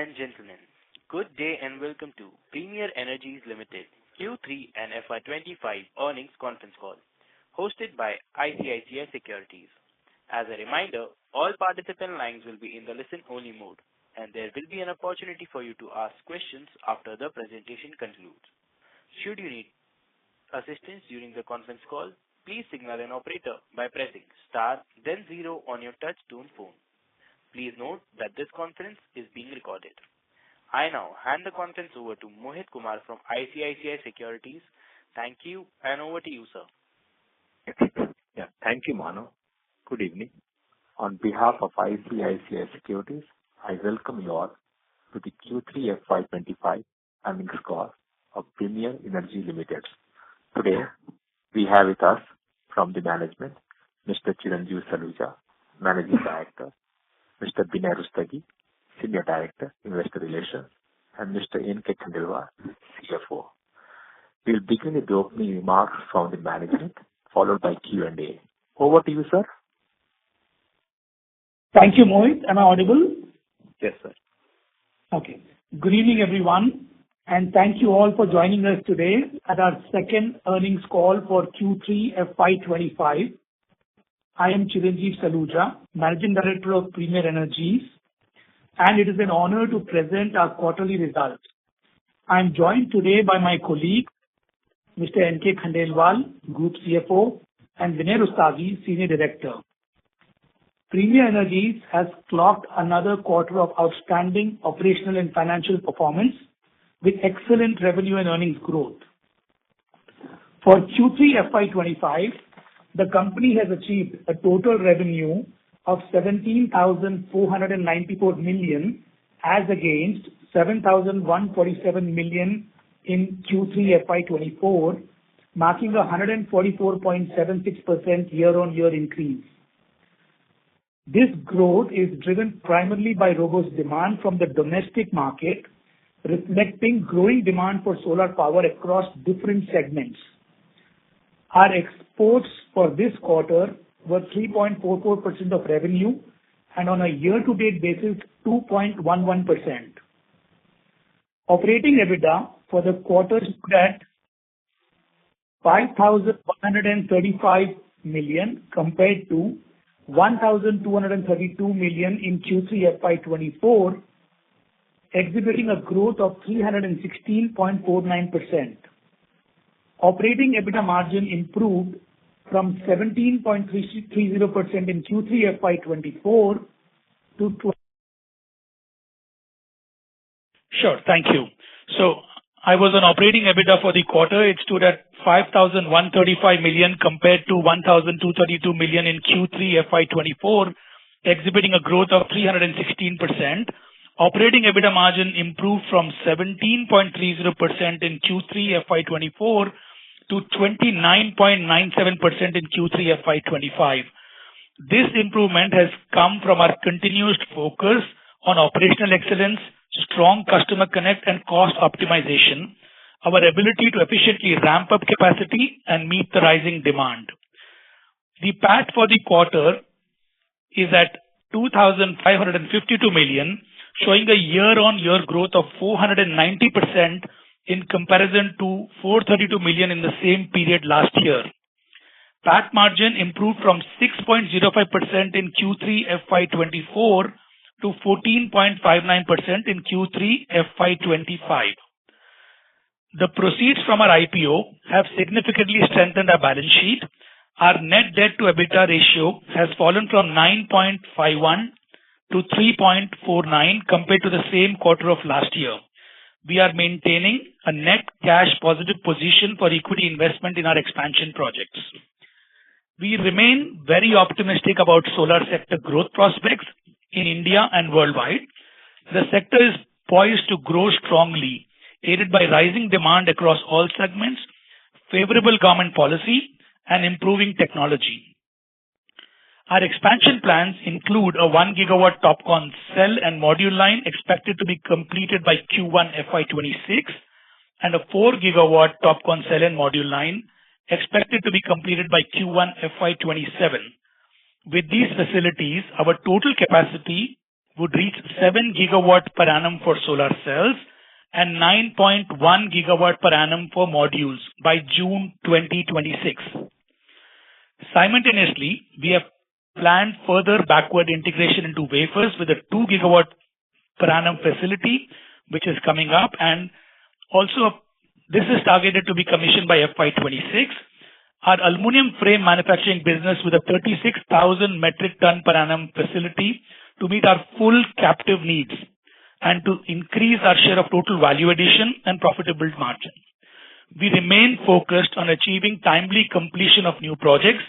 Ladies and gentlemen, good day and welcome to Premier Energies Limited Q3 and FY25 earnings conference call hosted by ICICI Securities. As a reminder, all participant lines will be in the listen-only mode and there will be an opportunity for you to ask questions after the presentation concludes. Should you need assistance during the conference call, please signal an operator by pressing * then 0 on your touch tone phone. Please note that this conference is being recorded. I now hand the conference over to Mohit Kumar from ICICI Securities. Thank you. And over to you, sir. Thank you Manav. Good evening. On behalf of ICICI Securities, I welcome you all to the Q3FY25 earnings call of Premier Energies Limited. Today we have with us from the management Mr. Chiranjeev Saluja, Managing Director, Mr. Vinay Rustagi, Senior Director, Investor Relations and Mr. N.K. Khandelwal, CFO. We'll begin with the opening remarks from the management followed by Q&A. Over to you, sir. Thank you, Mohit. Am I audible? Yes, sir. Okay. Good evening everyone, and thank you all for joining us today at our second earnings call for Q3FY25. I am Chiranjeev Saluja, Managing Director of Premier Energies, and it is an honor to present our quarterly results. I am joined today by my colleague Mr. N.K. Khandelwal, Group CFO, and Vinay Rustagi, Senior Director. Premier Energies has clocked another quarter of outstanding operational and financial performance with excellent revenue and earnings growth for Q3FY25. The company has achieved a total revenue of 17,494 million as against 7,147 million in Q3FY24, marking 144.76% year-on-year increase. This growth is driven primarily by robust demand from the domestic market reflecting growing demand for solar power across different segments. Our exports for this quarter were 3.44% of revenue and on a year to date basis 2.11%. Sure. Thank you. So I was on operating EBITDA for the quarter. It stood at 5,135 million compared to 1,232 million in Q3 FY24 exhibiting a growth of 316%. Operating EBITDA margin improved from 17.30% in Q3 FY24 to 29.97% in Q3 FY25. This improvement has come from our continuous focus on operational excellence, strong customer connect and cost optimization, our ability to efficiently ramp up capacity and meet the rising demand. The PAT for the quarter is at 2,552 million, showing a year on year growth of 490% in comparison to 432 million in the same period last year. PAT margin improved from 6.05% in Q3FY24 to 14.59% in Q3FY25. The proceeds from our IPO have significantly strengthened our balance sheet. Our net debt to EBITDA ratio has fallen from 9.51 to 3.49 compared to the same quarter of last year. We are maintaining a net cash positive position for equity investment in our expansion projects. We remain very optimistic about solar sector growth prospects in India and worldwide. The sector is poised to grow strongly aided by rising demand across all segments, favorable government policy and improving technology. Our expansion plans include a one GW TOPCon cell and module line expected to be completed by Q1FY26 and a four GW TOPCon cell and module line expected to be completed by Q1FY27. With these facilities our total capacity would reach seven gigawatts per annum for solar cells and 9.1 gigawatts per annum for modules by June 2026. Simultaneously, we have planned further backward integration into wafers with a two gigawatt per annum facility which is coming up and also this is targeted to be commissioned by FY26. Our aluminum frame manufacturing business with a 36,000 metric ton per annum facility to meet our full captive needs and to increase our share of total value addition and profitable margin. We remain focused on achieving timely completion of new projects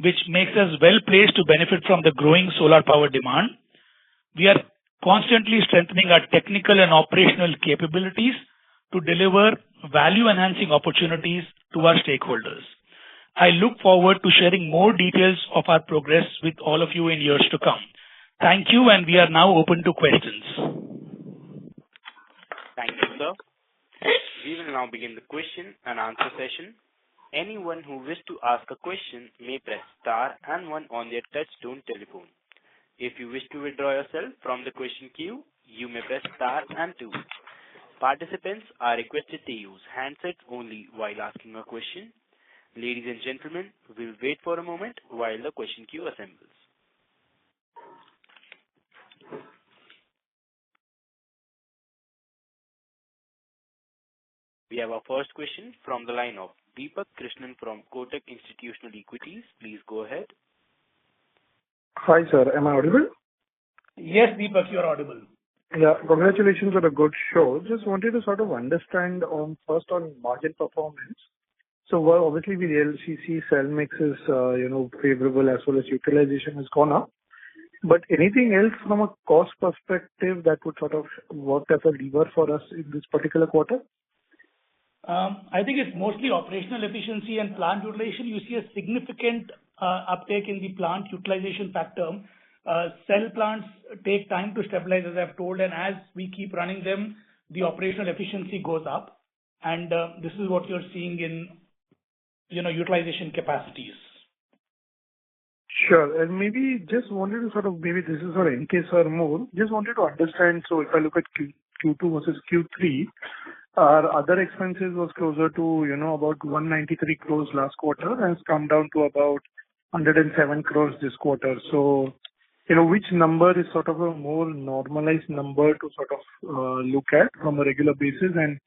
which makes us well placed to benefit from the growing solar power demand. We are constantly strengthening our technical and operational capabilities to deliver value enhancing opportunities to our stakeholders. I look forward to sharing more details of our progress with all of you in years to come. Thank you and we are now open to questions. Thank you sir. We will now begin the question and answer session. Anyone who wishes to ask a question may press star and 1 on their Touch-Tone telephone. If you wish to withdraw yourself from the question queue, you may press star and 2. Participants are requested to use handsets only while asking a question. Ladies and gentlemen, we'll wait for a moment while the question queue assembles. We have our first question from the line of Deepak Krishnan from Kotak Institutional Equities. Please go ahead. Hi, sir. Am I audible? Yes, Deepak, you're audible. Yeah. Congratulations on a good show. Just wanted to sort of understand, first, on margin performance. So obviously with the LCC cell mix is, you know, favorable as well as utilization has gone up. But anything else from a cost perspective that would sort of work as a lever for us in this particular quarter? I think it's mostly operational efficiency and plant utilization. You see a significant uptake in the plant utilization factor. Cell plants take time to stabilize, as I've told, and as we keep running them, the operational efficiency goes up. And this is what you're seeing in, you know, utilization capacities. Sure. And maybe just wanted to sort of. Maybe this is our N.K., sir. More just wanted to understand. So if I look at Q2 versus Q3, our other expenses was closer to, you know, about 193 crores last quarter has come down to about 107 crores this quarter. So you know, which number is sort of a more normalized number to sort of look at from a regular basis. And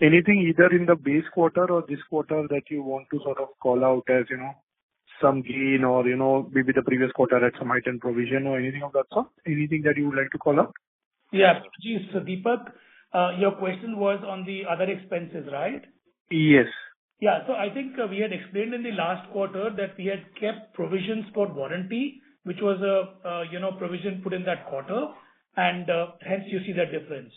anything either in the base quarter or this quarter that you want to sort of call out as, you know, some gain or, you know, maybe the previous quarter at some item provision or anything of that sort. Anything that you would like to call out? Yeah. Your question was on the other expenses, right? Yes. Yeah. So I think we had explained in the last quarter that we had kept provisions for warranty, which was a, you know, provision put in that quarter and hence you see that difference.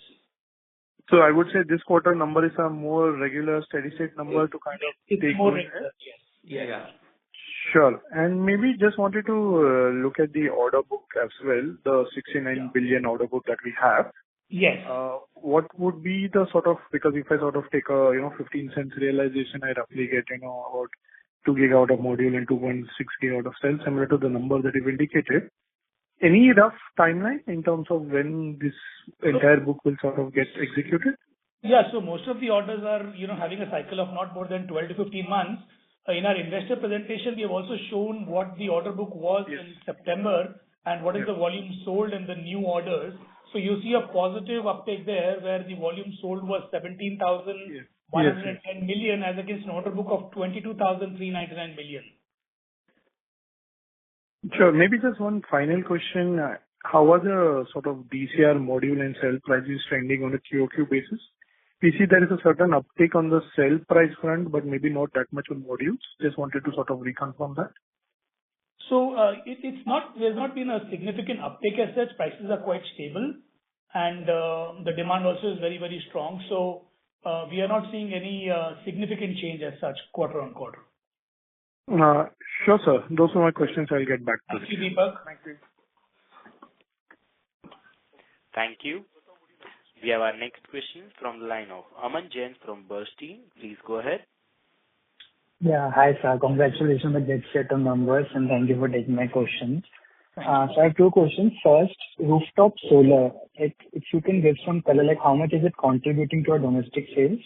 So I would say this quarter number is a more regular steady state number to kind of. Sure. And maybe just wanted to look at the order book as well. The 69 billion order book that we have. Yes. What would be the sort of. Because if I sort of take a, you know, $0.15 realization, I roughly get, you know, two gigawatts of modules and 2.6 GW of cells similar to the number that you've indicated. Any rough timeline in terms of when this entire book will sort of get executed? Yeah. So most of the orders are, you know, having a cycle of not more than 12 to 15 months. In our investor presentation, we have also shown what the order book was in September. And what is the volume sold in the new orders. So you see a positive uptick there where the volume sold was 17,110 million as against order book of 22,399 million. Sure. Maybe just one final question. How was a sort of DCR module and cell prices trending on a QoQ basis? We see, there is a certain uptick on the cell price front but maybe not that much on modules. Just wanted to sort of reconfirm that. So it's not. There's not been a significant uptick as such. Prices are quite stable and the demand also is very, very strong. So we are not seeing any significant change as such. Quarter on quarter. Sure, sir, those are my questions. I'll get back to Deepak. Thank you. Thank you. We have our next question from the line of Aman Jain from Bernstein. Please go ahead. Yeah. Hi, sir. Congratulations and thank you for taking my questions. So I have two questions. First, rooftop solar, if you can give some color, like how much is it contributing to our domestic sales?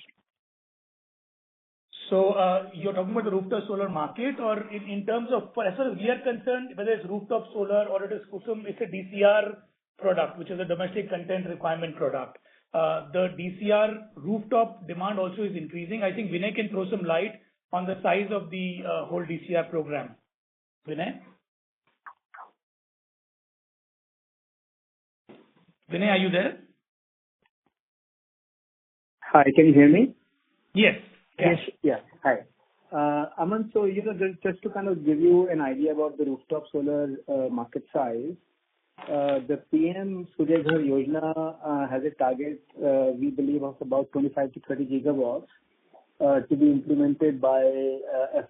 So you're talking about the rooftop solar market or in terms of. As far as we are concerned, whether it's rooftop solar or it is KUSUM, it's a DCR product which is a domestic content requirement product. The DCR rooftop demand also is increasing. I think Vinay can throw some light on the size of the whole DCR program. Vinay? Vinay, are you there? Hi, can you hear me? Yes. Yeah, hi Aman. So you know, just to kind of give you an idea about the rooftop solar market size, the PM Surya Ghar: Muft Bijli Yojana has a target, we believe of about 25-30 GW to be implemented by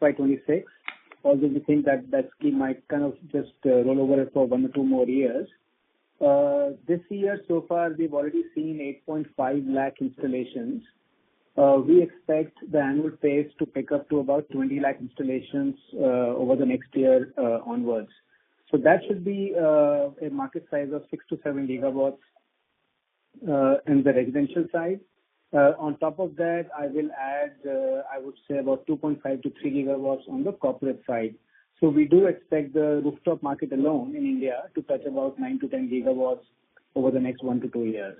FY26. Although we think that that scheme might kind of just roll over for one or two more years this year. So far we've already seen 8.5 lakh installations. We expect the annual pace to pick up to about 20 lakh installations over the next year onwards. So that should be a market size of 6-7 gigawatts in the residential side. On top of that I will add, I would say about 2.5-3 gigawatts on the corporate side. So we do expect the rooftop market alone in India to touch about 9-10 gigawatts over the next one to two years.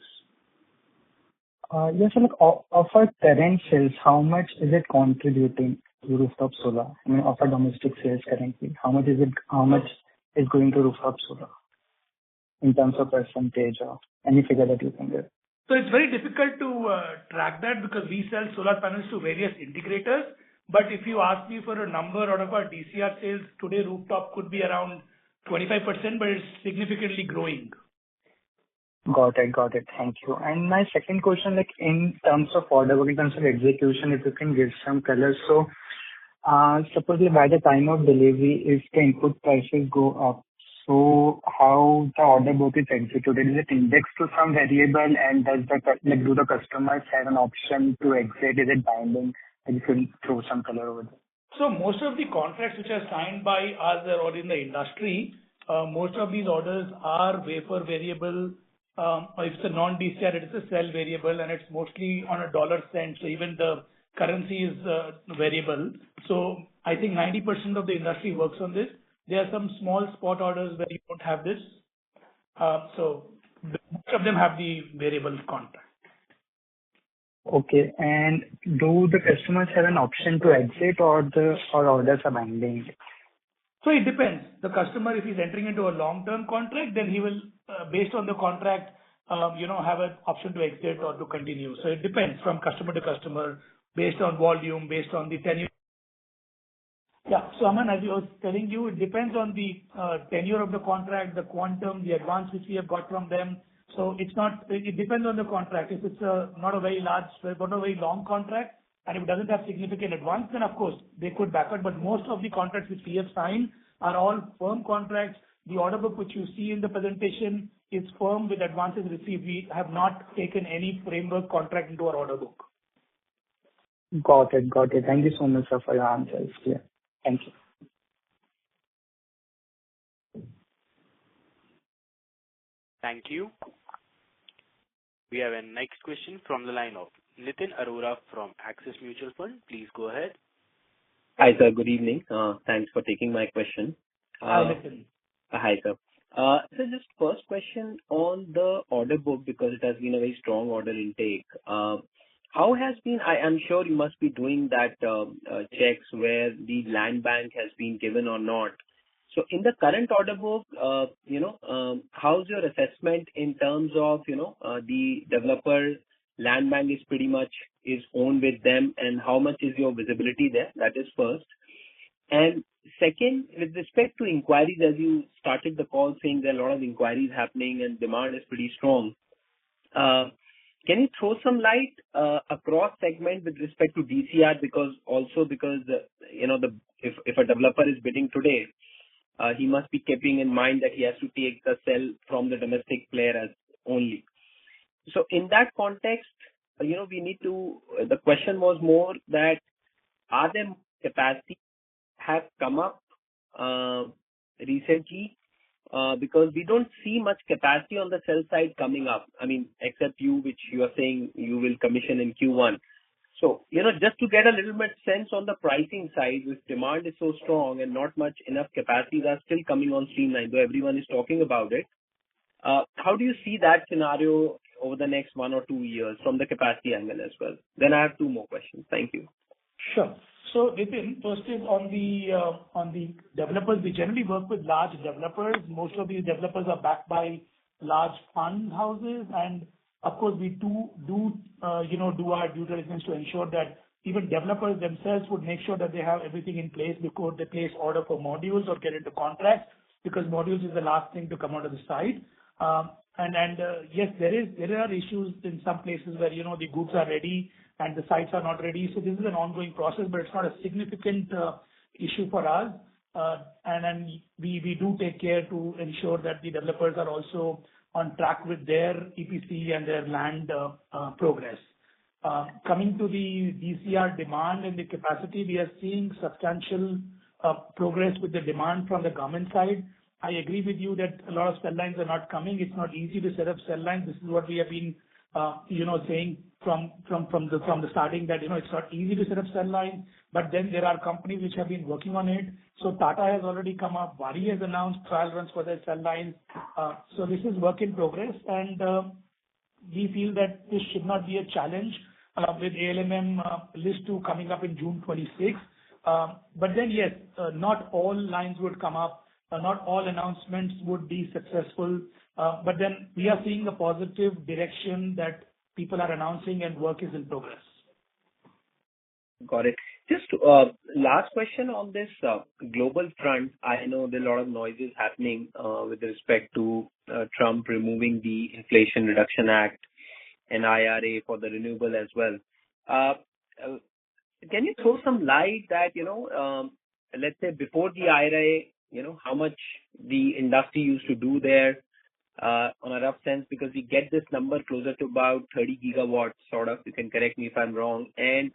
Yes. For current sales, how much is it contributing to rooftop solar of our domestic sales currently, how much is it? How much is going to rooftop solar in terms of percentage or any figure that you can get? So it's very difficult to track that because we sell solar panels to various integrators. But if you ask me for a number out of our DCR sales today, rooftop could be around 25% but it's significantly growing. Got it, got it. Thank you. And my second question, like in terms of order, in terms of execution, if you can give some color so supposedly by the time of delivery if the input prices go up. So how the order book is executed, is it indexed to some variable and does that, do the customers have an option to exit? Is it binding? And you can throw some color over there. Most of the contracts which are signed by others in the industry, most of these orders are wafer variable. If it's a Non-DCR, it is a cell variable and it's mostly on a dollar cent. So even the currency is variable. So I think 90% of the industry works on this. There are some small spot orders where you don't have this. So most of them have the variable contract. Okay. And do the customers have an option to exit or the orders are binding? So it depends. The customer, if he's entering into a long-term contract, then he will, based on the contract, you know, have an option to exit or to continue. So it depends from customer to customer based on volume, based on the tenure. Yeah. So, Aman, as I was telling you, it depends on the tenure of the contract, the quantum, the advance which we have got from them. So it's not. It depends on the contract. If it's not a very large but a very long contract and if it doesn't have significant advance then of course they could back up. But most of the contracts which we have signed are all firm contracts. The order book which you see in the presentation is firm with advances received. We have not taken any framework contract into our order book. Got it, Got it. Thank you so much sir for your answer. Thank you. Thank you. We have a next question from the line of Nitin Arora from Axis Mutual Fund. Please go ahead. Hi sir, good evening, thanks for taking my question. Hi sir. So just first question on the order book because it has been a very strong order intake. How has been. I'm sure you must be doing that checks where the land bank has been given or not. So in the current order book, you know, how's your assessment in terms of you know the developer land bank is pretty much is owned with them and how much is your visibility there? That is first and second with respect to inquiries as you started the call saying there are a lot of inquiries happening and demand is pretty strong. Can you throw some light across segment with respect to DCR? Because also because you know the if a developer is bidding today he must be keeping in mind that he has to take the cell from the domestic player as only. So in that context, you know, the question was more that are the capacities have come up recently because we don't see much capacity on the cell side coming up. I mean, except you, which you are saying you will commission in Q1. So, you know, just to get a little bit sense on the pricing side with demand is so strong and not much enough, capacities are still coming on stream though everyone is talking about it. How do you see that scenario over the next one or two years from the capacity angle as well? Then I have two more questions. Thank you. Sure. So first is on the developers. We generally work with large developers. Most of these developers are backed by large fund houses, and of course we do, you know, do our due diligence to ensure that even developers themselves would make sure that they have everything in place before they place order for modules or get into contracts because modules is the last thing to come out of the site. And yes, there are issues in some places where, you know, the goods are ready and the sites are not ready. So this is an ongoing process, but it's not a significant issue for us, and we do take care to ensure that the developers are also on track with their EPC and their land progress coming to the DCR demand and the capacity. We are seeing substantial progress with the demand from the government side. I agree with you that a lot of cell lines are not coming. It's not easy to set up cell lines. This is what we have been saying from the starting that it's not easy to set up cell lines. But then there are companies which have been working on it. So Tata has already come up, Waaree has announced trial runs for the cell lines. So this is work in progress and we feel that this should not be a challenge with ALMM List 2 coming up in June 2026. But then, yes, not all lines would come up, not all announcements would be successful. But then we are seeing the positive direction that people are announcing and work is in progress. Got it. Just last question on this global front, I know there are a lot of noises happening with respect to Trump removing the Inflation Reduction Act and IRA for the renewables as well. Can you throw some light on that, you know, let's say before the IRA, you know, how much the industry used to do there on a rough sense, because we get this number closer to about 30 gigawatt sort of, you can correct me if I'm wrong. And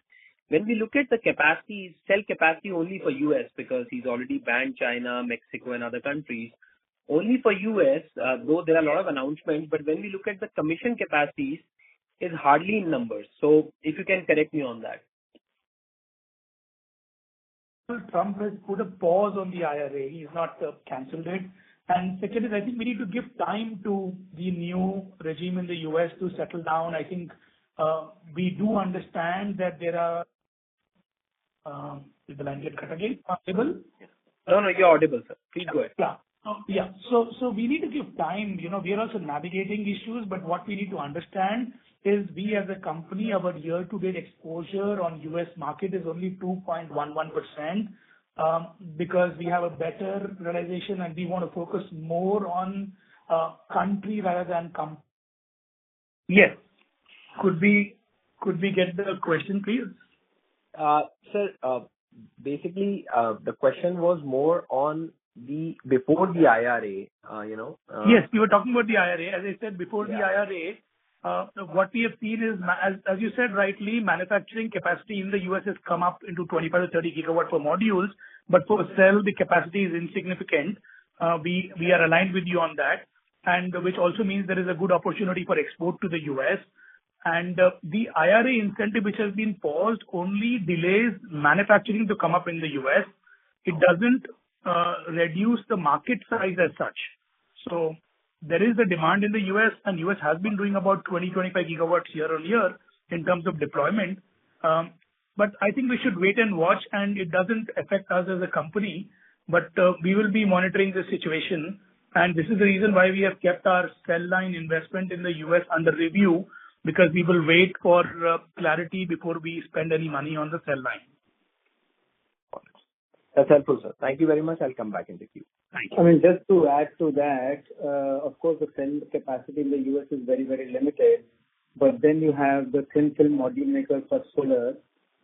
when we look at the capacity, cell capacity only for U.S., because he's already banned China, Mexico and other countries. Only for U.S. though there are a lot of announcements. But when we look at the commissioned capacities is hardly in numbers. So if you can correct me on that. Trump has put a pause on the IRA. He's not canceled it. And second is I think we need to give time to the new regime in the U.S. to settle down. I think we do understand that there are. No, no, you're audible sir, please go ahead. Yeah, so. So we need to give time. You know, we are also navigating issues but what we need to understand is we as a company, our year to date exposure on US market is only 2.11% because we have a better realization and we want to focus more on country rather than come. Yes, could be. Could we get the question please, sir? Basically the question was more on the. Before the IR, you know. Yes, you were talking about the IRA. As I said before the IRA. What we have seen is, as you said rightly manufacturing capacity in the US has come up into 25 to 30 gigawatt per modules. But for cell the capacity is insignificant. We are aligned with you on that, and which also means there is a good opportunity for export to the U.S. and the IRA incentive, which has been paused, only delays manufacturing to come up in the U.S. It doesn't reduce the market size as such, so there is demand in the U.S. and the U.S. has been doing about 20-25 gigawatts year on year in terms of deployment, but I think we should wait and watch and it doesn't affect us as a company, but we will be monitoring the situation, and this is the reason why we have kept our cell line investment in the U.S. under review because we will wait for clarity before we spend any money on the cell line. That's helpful, sir, thank you very much. I'll come back in the queue. I mean just to add to that, of course the cell capacity in the U.S. is very, very limited. But then you have the thin film module maker First Solar,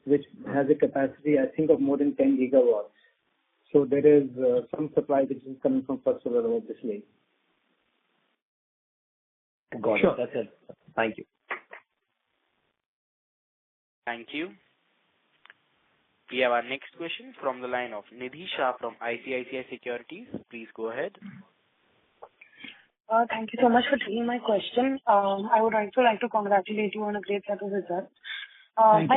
which has a capacity I think of more than 10 gigawatts. So there is some supply that is coming from First Solar. This way. That's it. Thank you. Thank you. We have our next question from the line of Nidhi Shah from ICICI Securities. Please go ahead. Thank you so much for taking my question. I would also like to congratulate you on a great set of results. My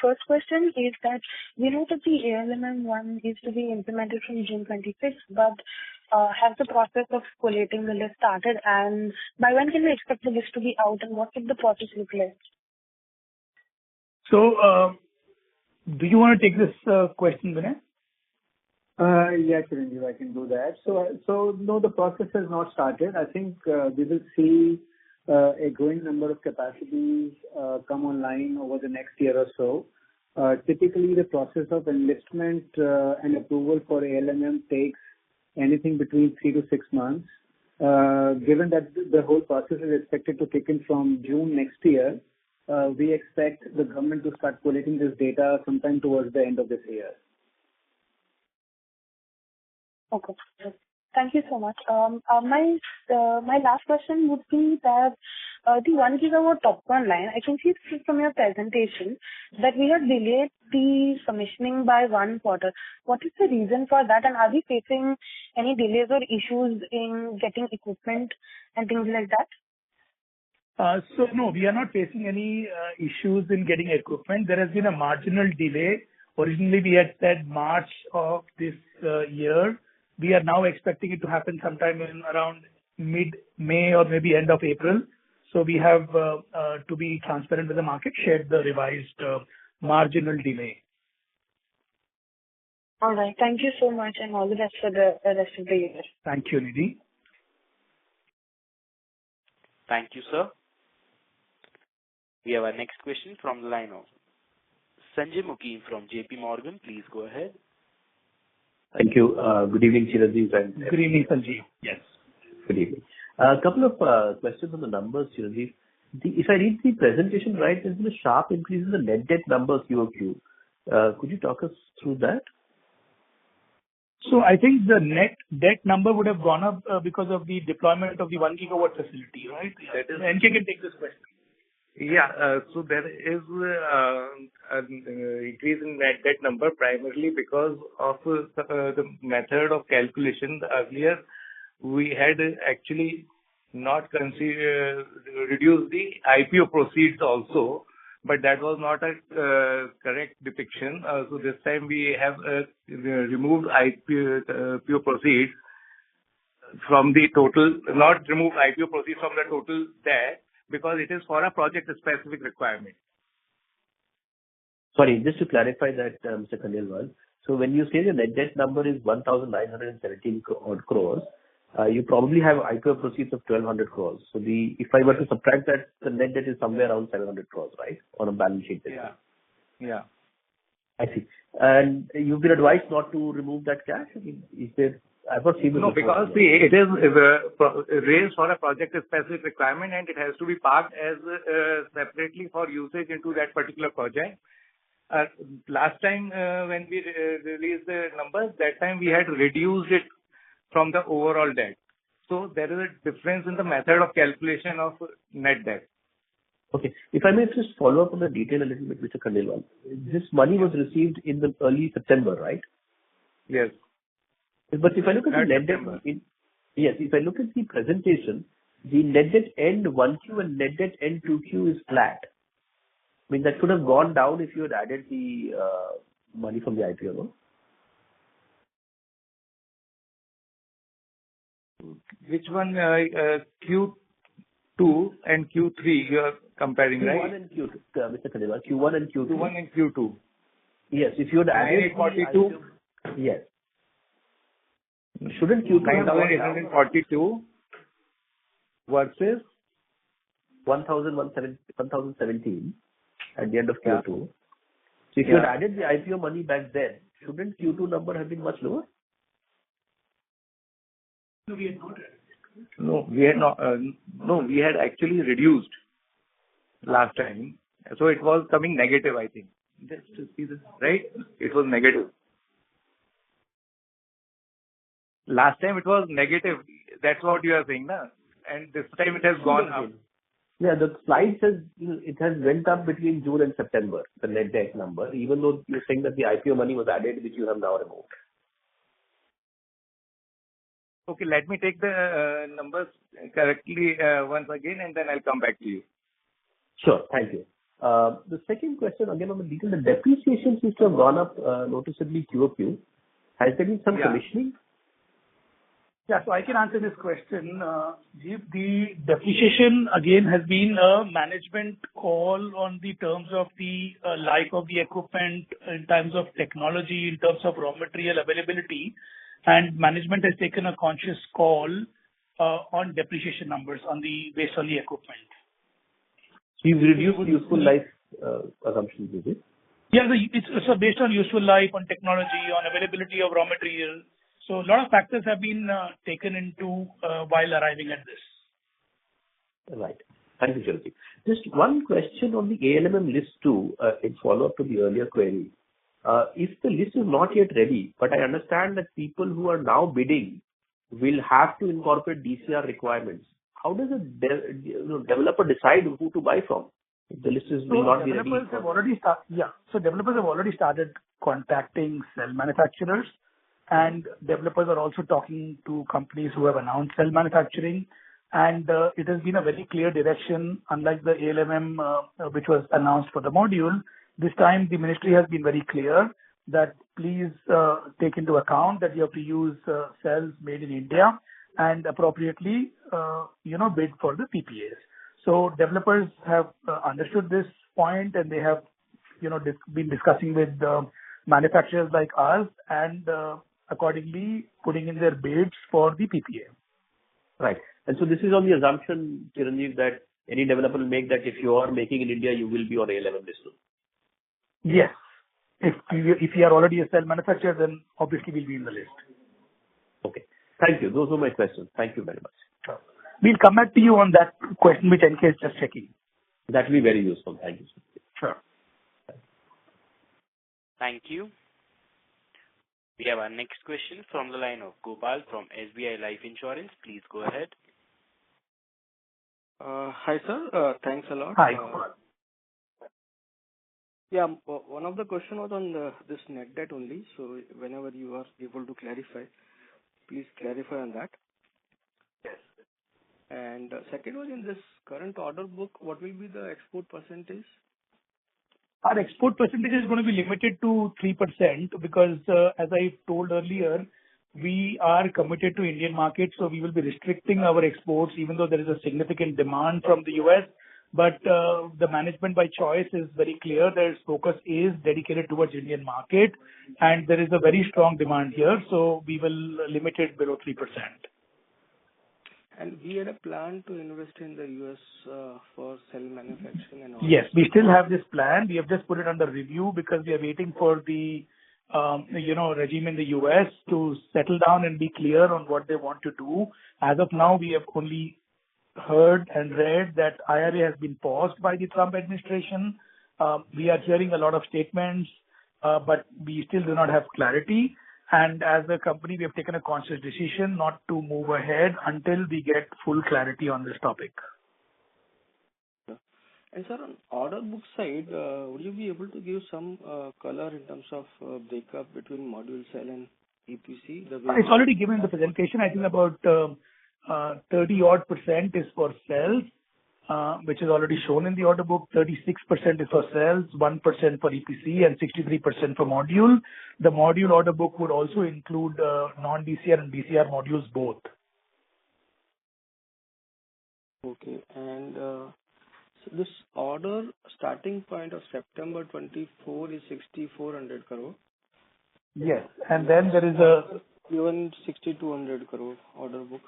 first question is that we know that the ALMM is to be implemented from June 2025, but has the process of collating the list started and by when can we expect the list to be out and what should the process look like? So do you want to take this question, Vinay? Yeah, I can do that. So no, the process has not started. I think we will see a growing number of capacities come online over the next year or so. Typically the process of enlistment and approval for ALMM takes anything between three to six months. Given that the whole process is expected to kick in from June next year, we expect the government to start collecting this data sometime towards the end of this year. Okay, thank you so much. My, my last question would be that the 1 gigawatt TOPCon line. I can see from your presentation that we have delayed the commissioning by one quarter. What is the reason for that and are we facing any delays or issues in getting equipment and things like that? So no, we are not facing any issues in getting equipment. There has been a marginal delay. Originally we had said March of this year. We are now expecting it to happen sometime in around mid-May or maybe end of April. So we have to be transparent with the market. We shared the revised marginal delay. All right, thank you so much and all the best for the rest of the year. Thank you, Nidhi. Thank you, sir. We have our next question from the line of Sanjay Mookim from JPMorgan. Please go ahead. Thank you. Good evening. Good evening, Sanjay. Yes, good evening. A couple of questions on the numbers. If I read the presentation right, there's been a sharp increase in the net debt number. QoQ, could you talk us through that? So I think the net debt number would have gone up because of the deployment of the one gigawatt facility, right? NK can take this question. Yeah. So there is an increase in net debt number primarily because of the method of calculation. Earlier we had actually considered and reduced the IPO proceeds also. But that was not a correct depiction. So this time we have not removed IPO proceeds from the total debt because it is for a project-specific requirement. Sorry, just to clarify that Mr. K, so when you say the net debt number is 1,917-odd crores, you probably have IPO proceeds of 1,200 crores. So. If I were to subtract that the net debt is somewhere around 700 crores, right? On a balance sheet. Yeah, I see. And you've been advised not to remove that cash, is there? I've not seen. No, because it is raised for a project-specific requirement and it has to be parked separately for usage into that particular project. Last time when we released the numbers, that time we had reduced it from the overall debt. So there is a difference in the method of calculation of net debt. Okay, if I may just follow up on the detail a little bit. This money was received in early September, right? Yes. But if I look at the net debt. Yes. If I look at the presentation, the net debt end Q1 and net debt Q2 is flat. I mean that could have gone down if you had added the money from the IPO. Which one? Q2 and Q3. You are comparing, right? Q1 and Q2. Q1 and Q2. Yes. If you would add 42. Yes. Shouldn't Q3 842 versus 1017 at the end of Q2? So if you added the IPO money back then shouldn't Q2 number have been much lower? No, we had not. No, we had actually reduced last time. So it was coming negative. I think just see this, right? It was negative last time it was negative. That's what you are saying now. And this time it has gone up. Yeah, the size it has went up between June and September. The net debt number, even though you think that the IPO money was added, which you have now removed. Okay, let me take the numbers correctly once again and then I'll come back to you. Sure. Thank you. The second question again on the P&L the depreciation seems to have gone up noticeably in Q2. Has there been some commissioning? Yeah. So I can answer this question. The depreciation again has been a management call on the terms of the life of the equipment, in terms of technology, in terms of raw material availability, and management has taken a conscious call on depreciation numbers on the wafer only equipment you've reviewed. Useful life assumptions, is it? Yeah, it's based on useful life, on technology, on availability of raw materials. So a lot of factors have been taken into while arriving at this. Right. Thank you. Swati. Just one question on the ALMM list too in follow up to the earlier query if the list is not yet ready, but I understand that people who are now bidding will have to incorporate DCR requirements. How does a developer decide who to buy from? The list is not. Yeah. So developers have already started contacting cell manufacturers and developers are also talking to companies who have announced cell manufacturing and it has been a very clear direction. Unlike the ALMM which was announced for the module, this time the ministry has been very clear that please take into account that you have to use cells made in India and appropriately, you know, bid for the PPAs. So developers have understood this point and they have, you know, been discussing with manufacturers like us and accordingly putting in their bids for the PPA. Right. And so this is on the assumption that any developer make that if you are making in India, you will be on a level business. Yes. If you are already a cell manufacturer then obviously we'll be in the list. Okay, thank you. Those were my questions. Thank you very much. We'll come back to you on that question with N.K. Just checking. That will be very useful. Thank you. Sure. Thank you. We have our next question from the line of Gopal from SBI Life Insurance. Please go ahead. Hi sir. Thanks a lot. Yeah. One of the question was on this net debt only. So whenever you are able to clarify, please clarify on that. And second one, in this current order book, what will be the export percentage? Our export percentage is going to be limited to 3% because as I told earlier, we are committed to Indian market. So we will be restricting our exports even though there is a significant demand from the US. But the management by choice is very clear that focus is dedicated towards Indian market. And there is a very strong demand here. So we will limit it below 3%. We had a plan to invest in the U.S. for cell manufacturing. Yes, we still have this plan. We have just put it under review because we are waiting for the, you know, regime in the U.S. to settle down and be clear on what they want to do. As of now we have only heard and read that IRA has been paused by the Trump administration. We are hearing a lot of statements but we still do not have clarity. As a company we have taken a conscious decision not to move ahead until we get full clarity on this topic. Sir, on order book side, would you be able to give some color in terms of breakup between module, cell and EPC? It's already given in the presentation. I think about 30-odd% is for sales which is already shown in the order book. 36% is for sales, 1% for EPC and 63% for module. The module order book would also include Non-DCR and DCR modules both. Okay. And so this order starting point of September 2024 is 6,400 crore. Yes. And then there is a given 6,200 crore order book.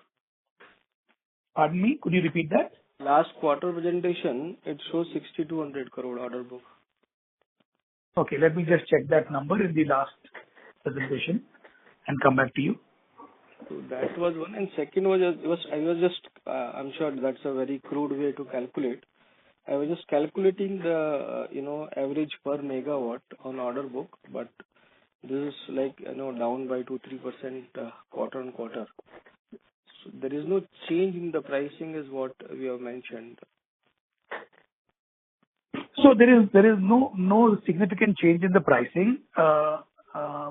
Pardon me, could you repeat that last quarter presentation? It shows 6,200 crore order book. Okay, let me just check that number in the last presentation and come back to you. That was one and second was. It was. I'm sure that's a very crude way to calculate. I was just calculating the, you know, average per megawatt on order book. But this is like you know, down by 2-3% quarter on quarter. There is no change in the pricing, as we have mentioned, so there is no significant change in the pricing,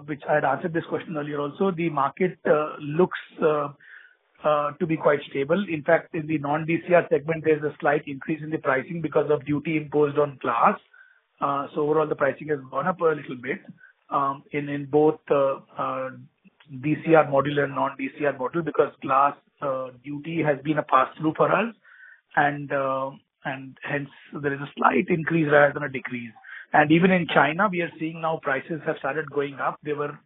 which I had answered this question earlier. Also, the market looks to be quite stable. In fact, in the non-DCR segment, there is a slight increase in the pricing because of duty imposed on glass. Overall, the pricing has gone up a little bit in both DCR module and non-DCR module because glass duty has been a pass-through for us, and hence there is a slight increase rather than a decrease. Even in China, we are seeing now prices have started going up. They were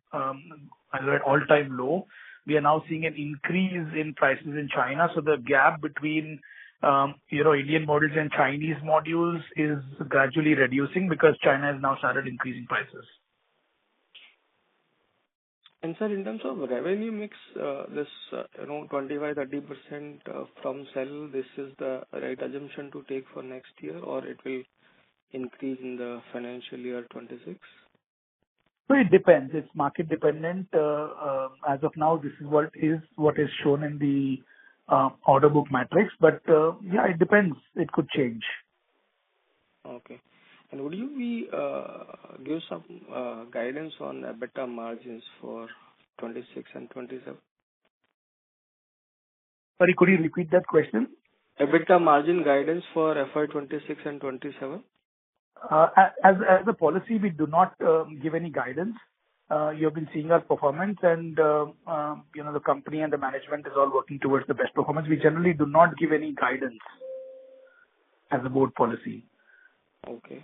all-time low. We are now seeing an increase in prices in China. The gap between Indian modules and Chinese modules is gradually reducing because China has now started increasing prices. Sir, in terms of revenue mix, this around 25-30% from cell. This is the right assumption to take for next year or it will increase in the financial year 2026. So it depends, it's market dependent as of now this is what is shown in the order book matrix. But yeah it depends it could change. Okay. And would you give some guidance on EBITDA margins for 2026 and 2027? Sorry, could you repeat that question? EBITDA margin guidance for FY 2026 and 2027 as a policy we do not give any guidance. You have been seeing our performance and you know the company and the management is all working towards the best performance. We generally do not give any guidance as a board policy. Okay,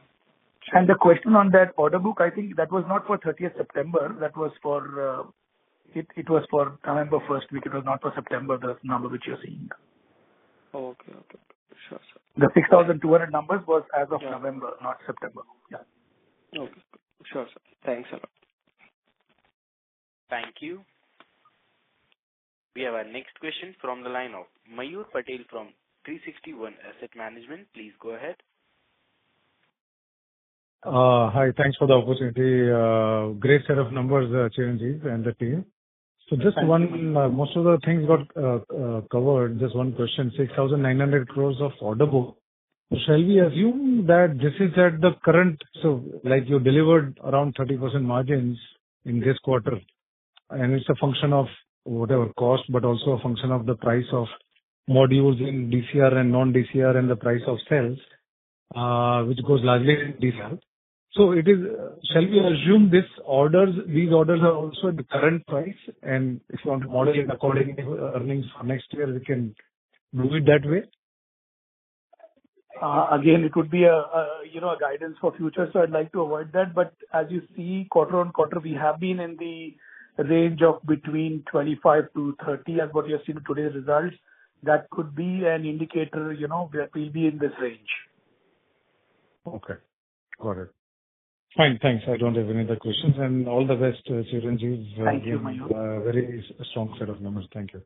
and the question on that order book. I think that was not for the 30th of September. That was for it. It was for November 1st because not for September. The number which you're seeing, the 6,200 numbers, was as of November not September. Yeah, sure. Thanks a lot. Thank you. We have our next question from the line of Mayur Patel from 360 ONE Asset Management. Please go ahead. Hi, thanks for the opportunity. Great set of numbers and the team. So just one. Most of the things got covered. This one question. 6,900 crores order book. Shall we assume that this is at the current. So like you delivered around 30% margins in this quarter and it's a function of whatever cost but also a function of the price of modules in DCR and non-DCR and the price of cells which goes largely. So it is. Shall we assume these orders. These orders are also at the current price and if you want to model it according to earnings for next year we can do it that way. Again it would be a you know a guidance for future. So I'd like to avoid that. But as you see quarter on quarter we have been in the range of between 25 to 30. As what you're seeing today's results, that could be an indicator, you know, that we'll be in this range. Okay, got it. Fine. Thanks. I don't have any other questions. And all the best Chiranjeev, you have a very strong set of numbers. Thank you.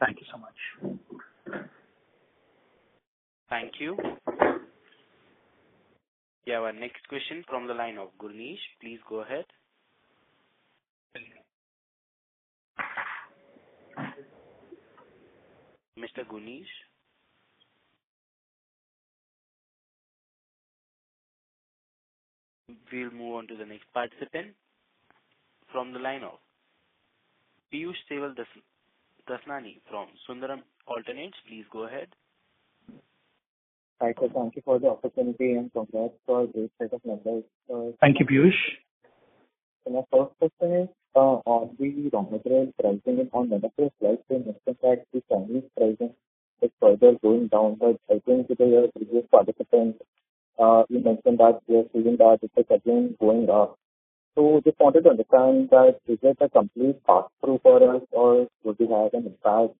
Thank you so much. Thank you. Yeah. Our next question from the line of Gurnesh. Please go ahead, Mr. Gurnesh. We'll move on to the next participant from the line of Piyush Tejwani from Sundaram Alternates, please go ahead. Thank you for the opportunity and congrats for a great set of numbers. Thank you. Piyush, my first question is on the pricing on Mono PERC. I think you mentioned that they're seeing that it is again going up. So just wanted to understand that is it a complete pass through for us or would we have an impact?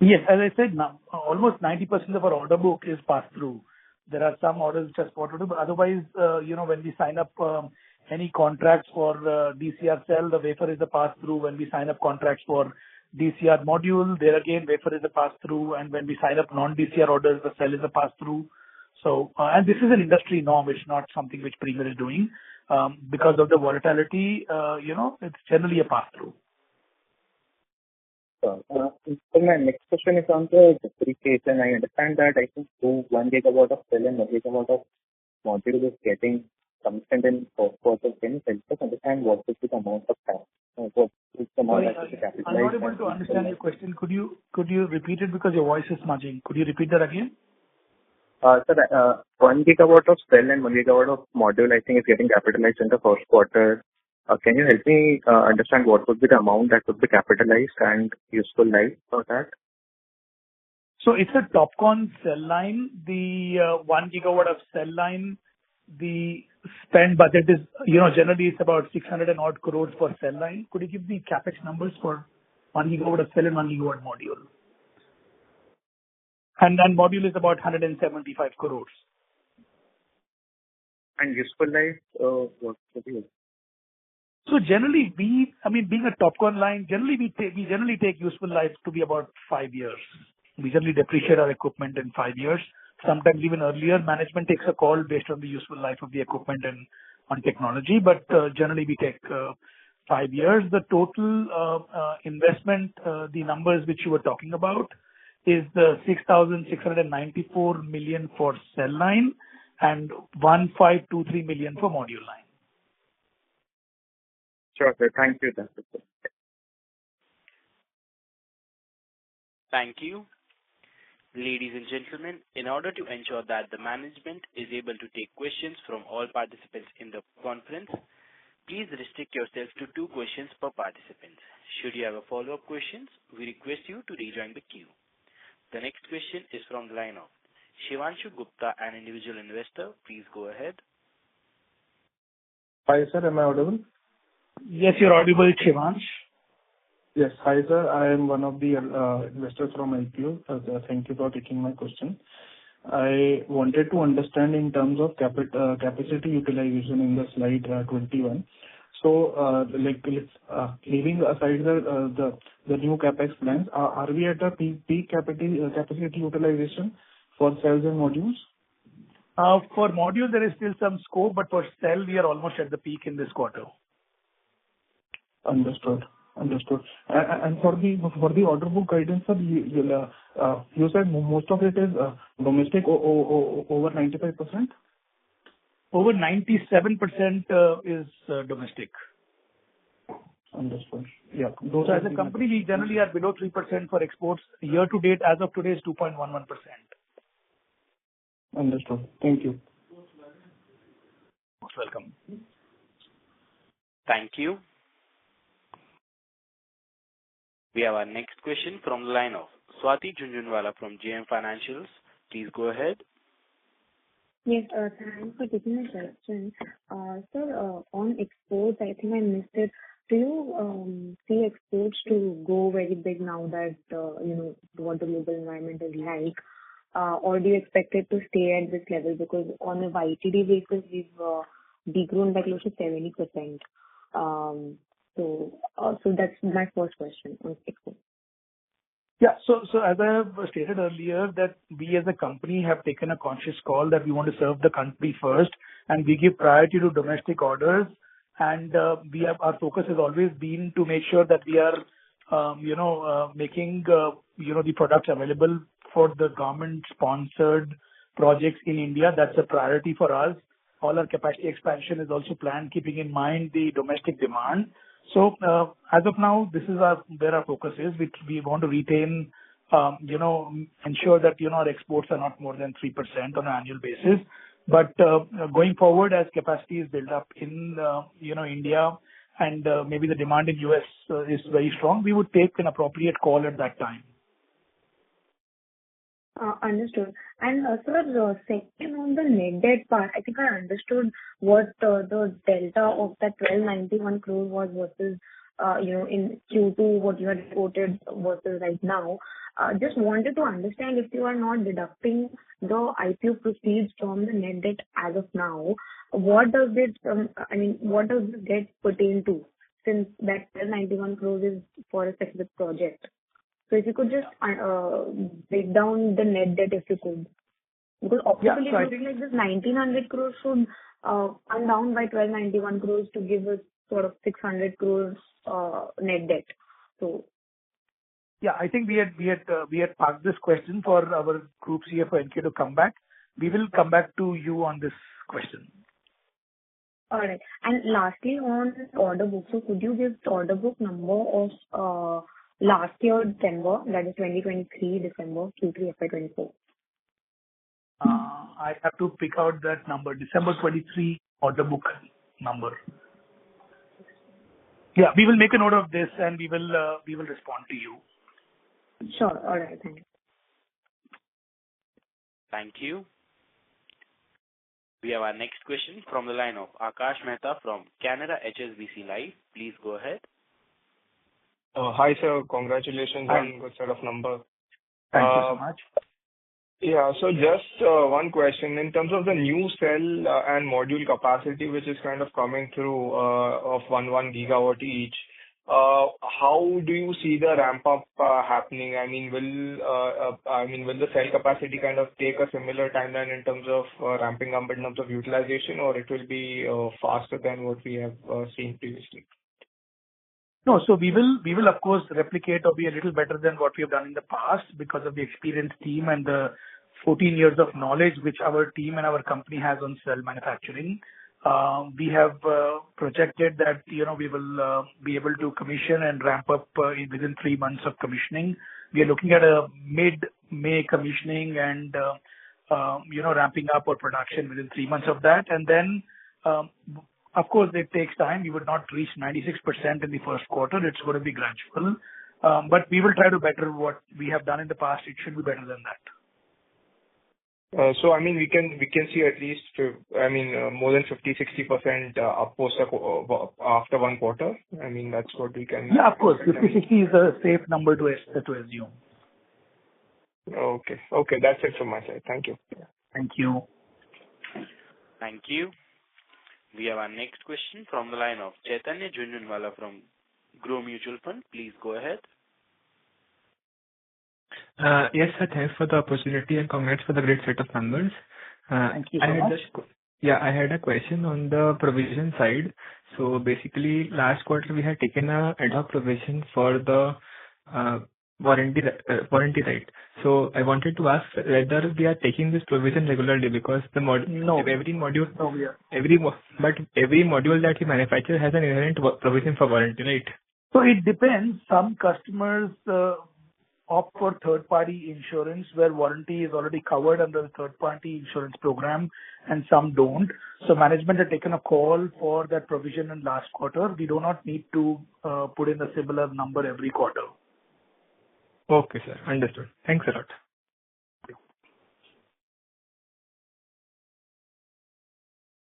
Yes, as I said, almost 90% of our order book is passed through. There are some orders just wanted, but otherwise, you know, when we sign up any contracts for DCR cell, the wafer is the pass through. When we sign up contracts for DCR module, there again wafer is a pass through. And when we sign up non DCR orders, the cell is a pass through. So and this is an industry norm, it's not something which Premier is doing because of the volatility. You know, it's generally a pass through. My next question is on the depreciation. I understand that. I think 1 gigawatt of module is getting. To understand your question. Could you repeat it? Because your voice is smudging. Could you repeat that again? One gigawatt of cell and one gigawatt of module I think is getting capitalized in the first quarter. Can you help me understand what would be the amount that would be capitalized and useful life for that? So it's a TOPCon cell line, the 1 gigawatt of cell line. The spend budget is, you know, generally it's about 600 and odd crores per cell line. Could you give the CapEx numbers for 1 gigawatt of cell and 1 gigawatt module and then module is about 175 crores and useful life. So generally we, I mean being a TOPCon line, generally we take useful life to be about five years. We generally depreciate our equipment in five years, sometimes even earlier. Management takes a call based on the useful life of the equipment and on technology. But generally we take five years. The total investment, the numbers which you were talking about, the 6,694 million for cell line and 1,523 million for module line. Sure sir. Thank you. Thank you. Ladies and gentlemen, in order to ensure that the management is able to take questions from all participants in the conference, please restrict yourself to two questions per participation. Participants, should you have a follow-up questions, we request you to rejoin the queue. The next question is from the lineup, Shivanshu Gupta, an individual investor. Please go ahead. Hi sir. Am I audible? Yes, you're audible. Yes. Hi sir, I am one of the investors from IPO. Thank you for taking my question. I wanted to understand in terms of capacity utilization in the slide 21. So like leaving aside the new CapEx plans, are we at a peak capacity utilization for cells and modules? For module there is still some scope. But for cell we are almost at the peak in this quarter. Understood. And for the order book guidance, you said most of it is domestic. Over 95%. Over 97% is domestic. Yeah. As a company we generally are below 3% for exports. Year to date as of today is 2.11%. Understood. Thank you. Thank you. We have our next question from the line of Swati Jhunjhunwala from JM Financial. Please go ahead. Yes, thanks for taking the question sir. On exports, I think I missed it. Do you see exports to go very big now that you know what the local environment is like or do you expect it to stay at this level? Because on a YTD basis we've degrown by close to 70%. So that's my fourth question on. Yeah, so as I have stated earlier that we as a company have taken a conscious call that we want to serve the country first and we give priority to domestic orders. And our focus has always been to make sure that we are, you know, making, you know, the products available for the government sponsored projects in India. That's a priority for us. All our capacity expansion is also planned keeping in mind the domestic demand. So as of now, this is where our focus is which we want to retain. You know, ensure that, you know, our exports are not more than 3% on an annual basis. But going forward as capacity is built up in, you know, India and maybe the demand in US is very strong, we would take an appropriate call at that time. Understood. And sir, second on the net debt part, I think I understood what the delta of that 1,291 crore was versus you know, in Q2, what you had reported versus right now. Just wanted to understand if you are not deducting the IPO proceeds from the net debt as of now what does this, I mean what does that pertain to? Since that 91 crore is for a specific project. So if you could just break down the net debt. If you could. Because obviously something like this INR 1,900 crores should come down by INR 1,291 crores to give us sort of INR 600 crores net debt. So yeah, I think we had parked this question for our groups here for NK to come back. We will come back to you on this question. All right. And lastly on order book, so could you give order book number of last year, December, that is 2023. December Q3, FY24. I have to pick out that number. December 23rd, the book number. Yeah. We will make a note of this and we will respond to you. Sure. All right, thank you. We have our next question from the line of Akash Mehta from Canara HSBC Life Insurance. Please go ahead. Hi sir, congratulations on good set of number. Thank you so much. Yeah. So just one question. In terms of the new cell and module capacity which is kind of coming through of one gigawatt each, how do you see the ramp up happening? I mean, will the cell capacity kind of take a similar timeline in terms of ramping up in terms of utilization or it will be faster than what we have seen previously? No. So we will of course replicate or be a little better than what we have done in the past. Because of the experienced team and the 14 years of knowledge which our team and our company has on cell manufacturing. We have projected that we will be able to commission and ramp up within three months of commissioning. We are looking at a mid-May commissioning and ramping up our production within three months of that, and then of course it takes time. We would not reach 96% in the first quarter. It's going to be gradual. But we will try to better what we have done in the past. It should be better than that. So I mean we can, we can see at least, I mean more than 50-60% after 1/4. I mean that's what we can. Yeah, of course. It's a safe number to assume. Okay. Okay. That's it from my side. Thank you. Thank you. Thank you. We have our next question from the line of Chaitanya Jhunjhunwala from Groww Mutual Fund. Please go ahead. Yes. Thanks for the opportunity and congrats for the great set of numbers. Thank you. Yeah, I had a question on the provision side. So basically last quarter we had taken an ad hoc provision for the warranty. Right. So I wanted to ask whether we are taking this provision regularly because the model. No. Every module, but every module that you manufacture has an inherent provision for warranty. Right. So it depends. Some customers offer third party insurance where warranty is already covered under the third party insurance program and some don't. So management had taken a call for that provision in last quarter. We do not need to put in a similar number every quarter. Okay, sir, understood. Thanks a lot.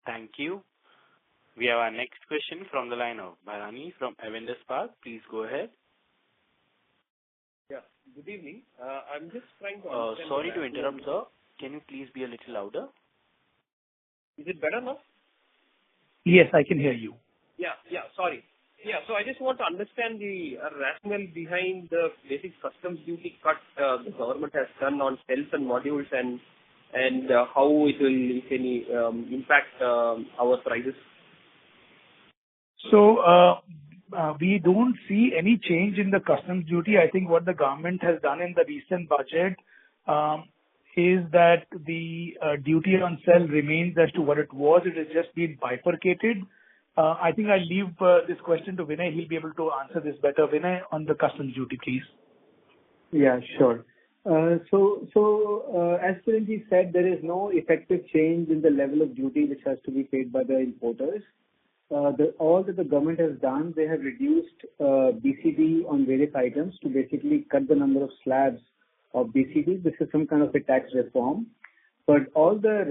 Thank you. We have our next question from the line of Bharani from Avendus Spark. Please go ahead. Yeah, good evening. I'm just trying to. Sorry to interrupt, sir. Can you please be a little louder? Is it better now? Yes, I can hear you. Yeah, yeah, sorry. Yeah, so I just want to understand the rationale behind the basic customs duty cut the government has done on cells and modules. And how it will impact our prices. So we don't see any change in the customs duty. I think what the government has done in the recent budget is that the duty on cell remains as it was. It has just been bifurcated. I think I leave this question to Vinay. He'll be able to answer this better. Vinay on the customs duty case? Yeah, sure. So as said, there is no effective change in the level of duty which has to be paid by the importers. All that the government has done, they have reduced BCD on various items to basically cut the number of slabs of BCD. This is some kind of a tax reform. But all the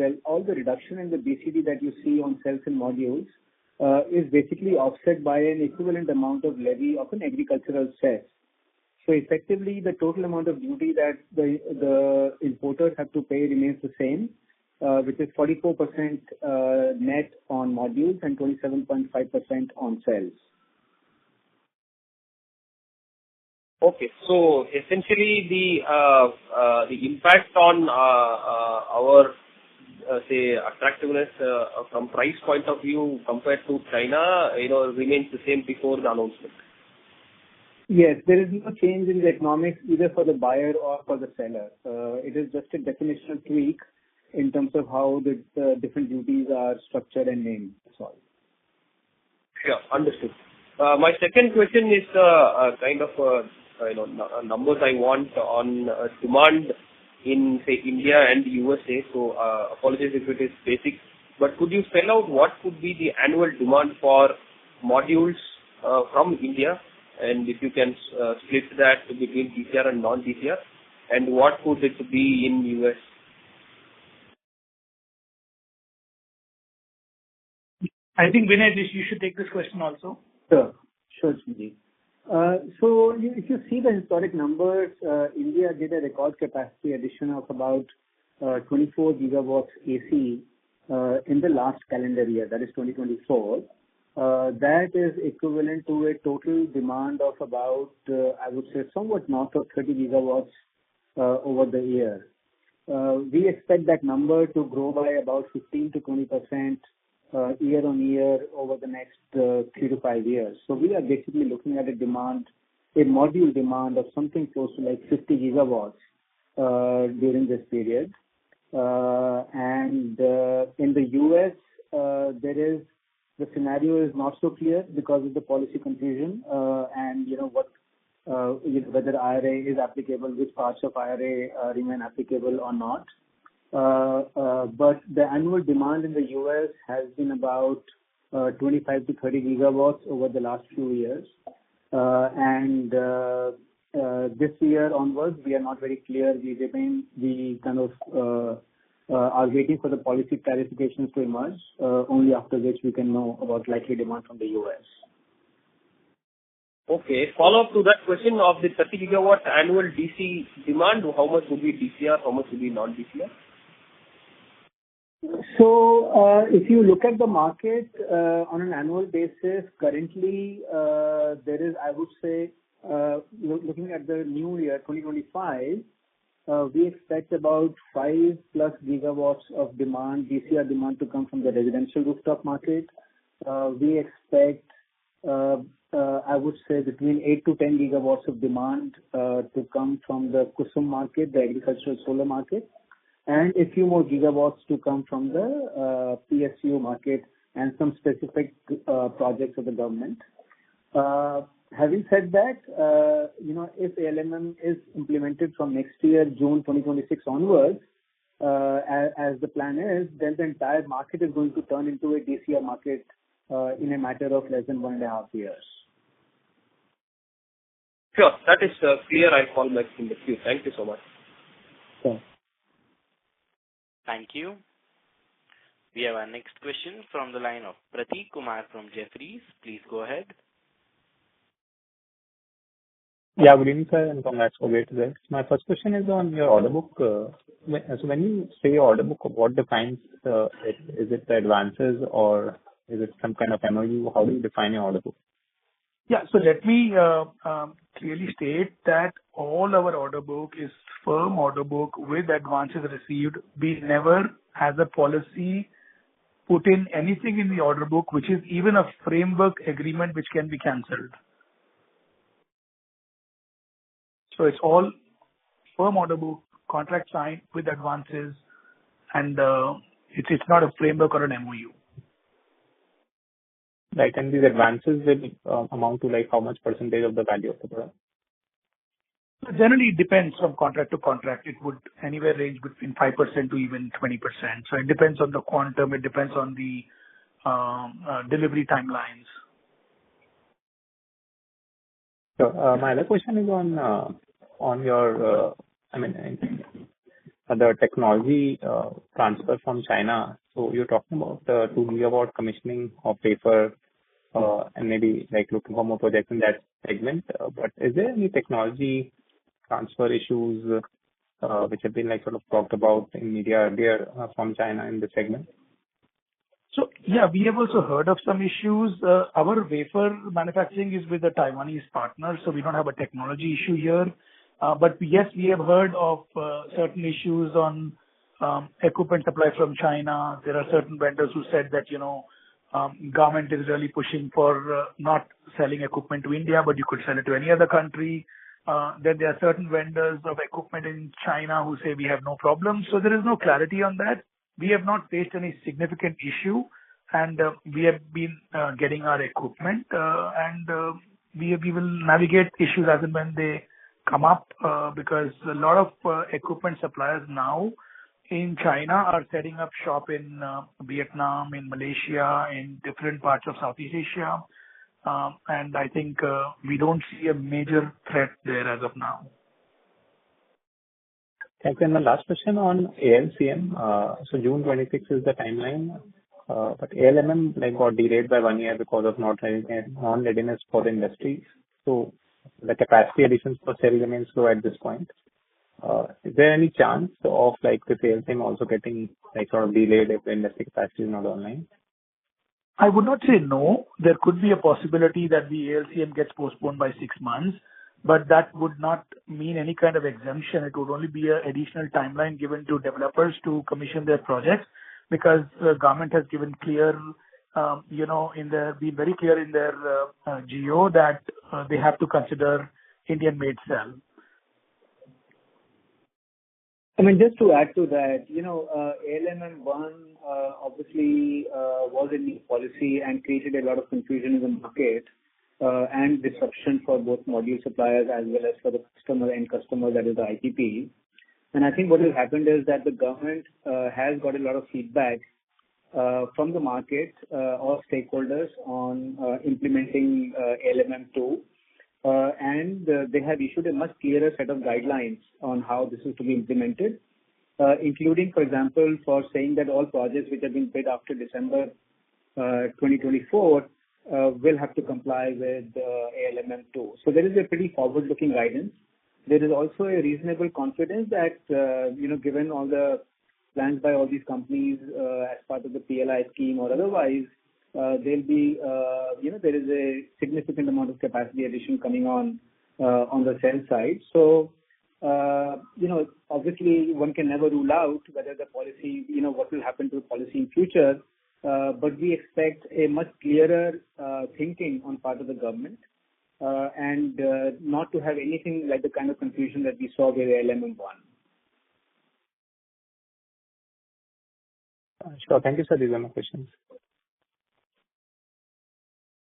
reduction in the BCD that you see on cells and modules is basically offset by an equivalent amount of levy of an agricultural slab. So effectively the total amount of duty that the importers have to pay remains the same, which is 44% net on modules and 27.5% on sales. Okay. So essentially the impact on our, say, attractiveness from price point of view compared to China, you know, remains the same before the announcement. Yes. There is no change in the economics either for the buyer or for the seller. It is just a definitional tweak in terms of how the different duties are structured and named. Yeah, understood. My second question is kind of numbers. I want on demand in, say, India and USA. So apologies if it is basic, but could you spell out what could be the annual demand for modules from India and if you can split that between DCR and non-DCR and what could it be in US? I think Vinay, you should take this question also. So if you see the historic numbers, India did a record capacity, the addition of about 24 GW AC in the last calendar year, that is 2024, that is equivalent to a total demand of about I would say somewhat north of 30 gigawatts over the year. We expect that number to grow by about 15%-20% year on year over the next three to five years. So we are basically looking at a demand, a module demand of something close to like 50 gigawatts during this period. In the U.S., the scenario is not so clear because of the policy confusion. You know what, whether IRA is applicable, which parts of IRA remain applicable or not. The annual demand in the U.S. has been about 25-30 GW over the last few years. This year onwards we are not very clear. We kind of are waiting for the policy clarifications to emerge only after which we can know about likely demand from the U.S. Okay, follow up to that question. Of the 30 gigawatt annual DC demand, how much would be DCR? How much will be non-DCR? If you look at the market on an annual basis currently there is, I would say looking at the new year 2025, we expect about 5 + gigawatts of DCR demand to come from the residential rooftop market. We expect, I would say between 8 to 10 gigawatts of demand to come from the KUSUM market, the agricultural solar market and a few more gigawatts to come from the PSU market and some specific projects of the government. Having said that, you know if ALMM is implemented from next year June 2026 onwards as the plan is, then the entire market is going to turn into a DCR market in a matter of less than one and a half years. Sure, that is clear. I'll call back in the queue. Thank you so much. Thank you. We have our next question from the line of Pratik Kumar from Jefferies. Please go ahead. Yeah, good evening sir and congrats for. Great. My first question is on your order book. When you say order book, what defines it? Is it the advances or is it some kind of MoU? How do you define your order book? Yeah, so let me clearly state that all our order book is firm order book with advances received. We never has a policy put in anything in the order book which is even a framework agreement which can be cancelled. So it's all firm order book, contract signed with advances and it's not a framework or an MOU. Right. And these advances will amount to like how much percentage of the value of the product. Generally it depends from contract to contract. It would anywhere range between 5%-20%. So it depends on the quantum, it depends on the delivery timelines. My other question is on your, I mean the technology transfer from China. So you're talking about to be about commissioning of wafer and maybe like looking for more projects in that segment. But is there any technology transfer issues which have been like sort of talked about in media there from China in the segment? So yeah, we have also heard of some issues. Our wafer manufacturing is with the Taiwanese partners. So we don't have a technology issue here. But yes, we have heard of certain issues on equipment supply from China. There are certain vendors who said that, you know, government is really pushing for not selling equipment to India but you could sell it to any other country that there are certain vendors of equipment in China who say we have no problem. So there is no clarity on that. We have not faced any significant issue and we have been getting our equipment and we will navigate issues as and when they come up. Because a lot of equipment suppliers now in China are setting up shop in Vietnam, in Malaysia, in different parts of Southeast Asia and I think we don't see a major threat there as of now. Thank you. The last question on ALMM, so June 26th is the timeline but ALMM got delayed by one year because of non-readiness for the industry. The capacity additions for solar remains low at this point. Is there any chance of like the timeline also getting like sort of delayed if the industry capacity is not online? I would not say no. There could be a possibility that the ALMM gets postponed by six months but that would not mean any kind of exemption. It would only be an additional timeline given to developers to commission their projects. Because the government has given clear, you know, it's been very clear in their guidelines that they have to consider Indian made cell. I mean just to add to that, you know, ALMM 1 obviously was in new policy and created a lot of confusion in the market and disruption for both module suppliers as well as for the customer end customer that is the IPP. And I think what has happened is that the government has got a lot of feedback from the market or stakeholders on implementing ALMM 2 and they have issued a much clearer set of guidelines on how this is to be implemented including for example for saying that all projects which have been paid after December 2024 will have to comply with ALMM 2. So there is a pretty forward looking guidance. There is also a reasonable confidence that you know, given all the plans by all these companies as part of the PLI scheme or otherwise they'll be, you know, there is a significant amount of capacity addition coming on the cell side. So you know, obviously one can never rule out whether the policy, you know, what will happen to the policy in future. But we expect a much clearer thinking on part of the government and not to have anything like the kind of confusion that we saw with ALMM. Sure. Thank you sir. These are my questions.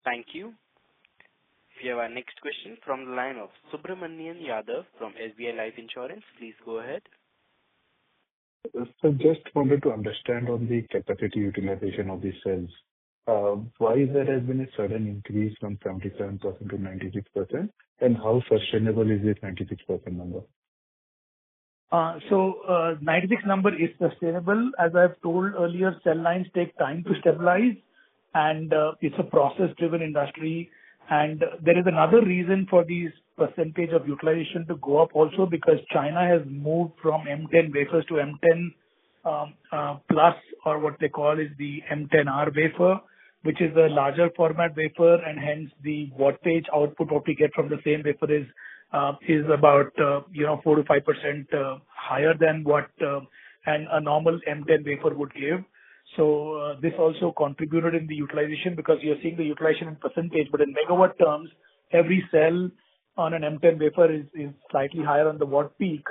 Thank you. We have our next question from the line of Subramanian Yadav from SBI Life Insurance. Please go ahead. Just wanted to understand on the capacity utilization of these cells why there has been a sudden increase from 77% to 96%. And how sustainable is this 96% number? 96 number is sustainable. As I've told earlier, cell lines take time to stabilize and it's a process driven industry. There is another reason for these percentage of utilization to go up also because China has moved from M10 wafers to M10+ or what they call is the M10R wafer, which is a larger format wafer and hence the wattage output, what we get from the same wafer is about, you know, 4 to 5% higher than what a normal M10 wafer would give. This also contributed in the utilization because you're seeing the utilization in percentage. In megawatt terms, every cell on an M10 wafer is slightly higher on the watt peak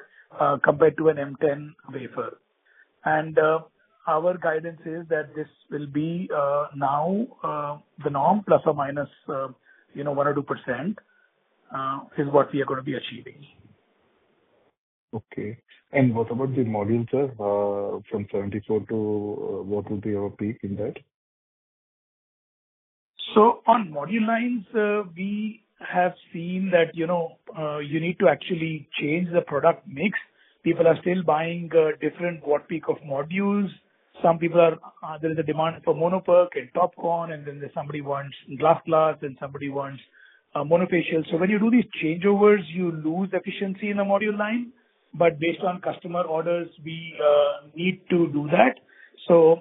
compared to an M10 wafer. Our guidance is that this will be now the norm. Plus or minus, you know, 1 or 2% is what we are going to be achieving. Okay, and what about the modules? Are from 74 to what would be our peak in that? So on module lines we have seen that, you know, you need to actually change the product mix. People are still buying different watt peak of modules. Some people are. There is a demand for Mono PERC and TOPCon and then there's somebody wants Glass-Glass and somebody wants monofacial. So when you do these changeovers you lose efficiency in the module line. But based on customer orders we need to do that. So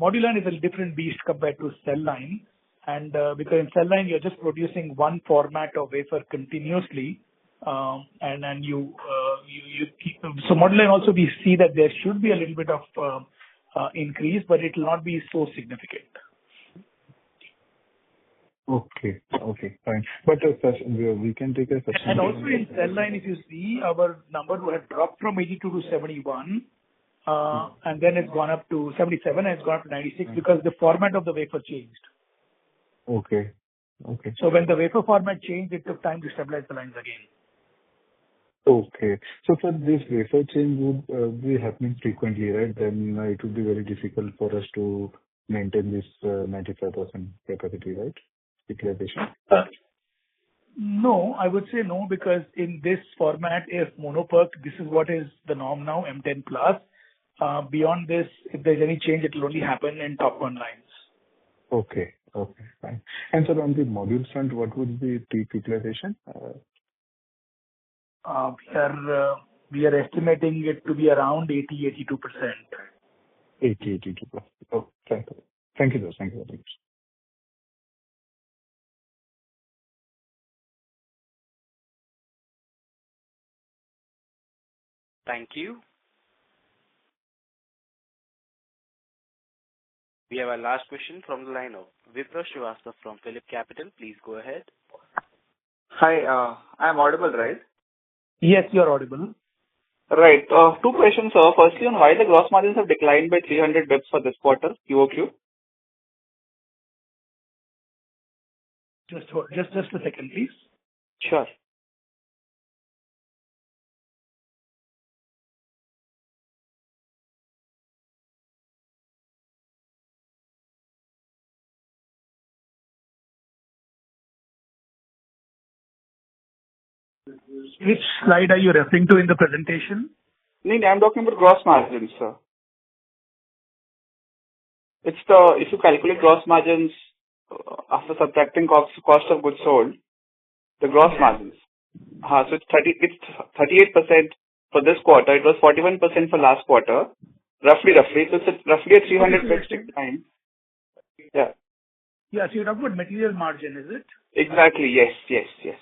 module line is a different beast compared to separate cell line. And because in cell line you're just producing one format of wafer continuously and then you keep so modeling also we see that there should be a little bit of increase, but it will not be so significant. Okay, okay, fine. But we can take a session. And also in cell line, if you see our number who had dropped from 82% to 71% and then it's gone up to 77% has gone up to 96%. Because the format of the wafer changed. Okay. Okay. So when the wafer format changed, it took time to stabilize the lines again. Okay. So for this wafer change would be happening frequently. Right. Then it would be very difficult for us to maintain this 95% capability, right? No, I would say no. Because in this format if Mono PERC, this is what is the norm now, M10+. Beyond this, if there's any change, it will only happen in TOPCon lines. Okay. Okay. And so on the module front, what would be the utilization? We are, we are estimating it to be around 80-82%. 80-82%. Thank you. Thank you. We have our last question from the line of Vipraw Srivastava from PhillipCapital. Please go ahead. Hi, I'm audible, right? Yes, you are audible, right. Two questions. Firstly on why the gross margins have declined by 300 basis points for this quarter. Just a second please. Sure. Which slide are you referring to in the presentation? I'm talking about gross margin, sir. It's the. If you calculate gross margins after subtracting cost of goods sold, the gross margins. So it's 30. It's 38% for this quarter. It was 41% for last quarter. Roughly. So roughly at 350 times. Yeah, yeah. So you're talking about material margin, is it? Exactly. Yes, yes, yes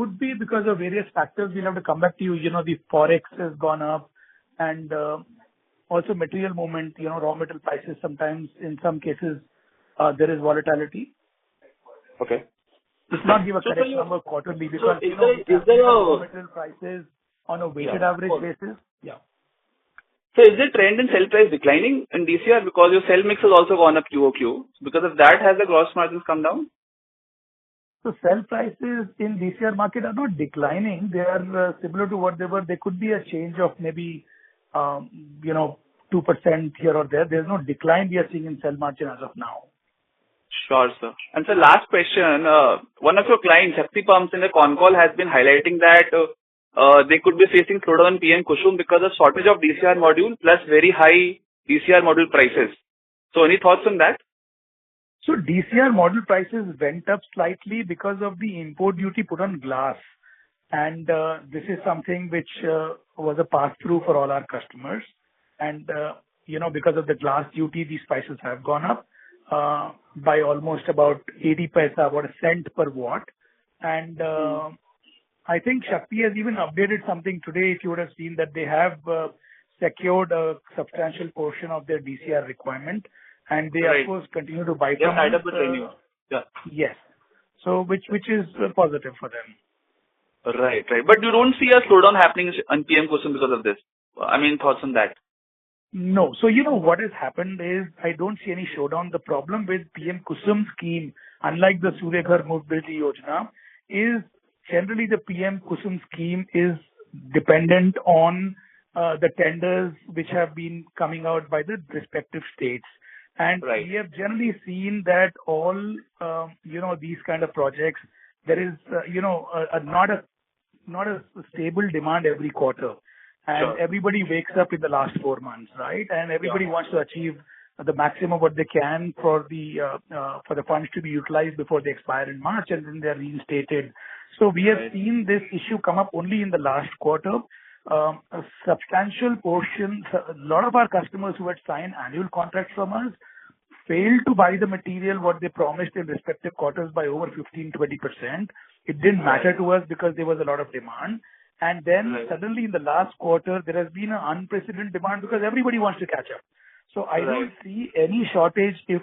would be because of various factors. We have to come back to you. You know the Forex has gone up and also material movement, you know, raw material prices. Sometimes in some cases there is volatility. Okay, let's not give a correct number quarterly because is there prices on a weighted average basis? Yeah. So is the trend in sale price declining in DCR because your cell mix has also gone up QoQ because of that has the gross margins come down? The sell prices in DCR market are not declining. They are similar to what they were. They could be a change of maybe, you know, 2% here or there. There's no decline we are seeing in cell margin as of now. Sure, sir. And so last question. One of your clients, Shakti Pumps in the con call has been highlighting that they could be facing shortage on PM KUSUM because of shortage of DCR module plus very high DCR module prices. So any thoughts on that? So DCR module prices went up slightly because of the import duty put on glass. This is something which was a pass through for all our customers. You know, because of the glass duty these prices have gone up by almost about 0.80 or $0.01 per watt. I think Shakti has even updated something today. If you would have seen that they have secured a substantial portion of their DCR requirement and they of course continue to buy. Yeah. Yes. Which is positive for them. Right? Right. But you don't see a slowdown happening on PM KUSUM because of this? I mean, thoughts on that? No. You know, what has happened is I don't see any slowdown. The problem with PM KUSUM scheme, unlike the Surya is generally the PM KUSUM scheme is dependent on the tenders which have been coming out by the respective states. And we have generally seen that all, you know, these kind of projects there is, you know, not a stable demand every quarter. And everybody wakes up in the last four months. Right. And everybody wants to achieve the maximum what they can for the funds to be utilized before they expire in March and then they are reinstated. So we have seen this issue come up only in the last quarter. So substantial portion. A lot of our customers who had signed annual contracts from us failed to buy the material what they promised in respective quarters by over 15%-20%. It didn't matter to us because there was a lot of demand. And then suddenly in the last quarter there has been an unprecedented demand because everybody wants to catch up. So I don't see any shortage. If